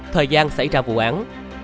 thời gian xảy ra vụ án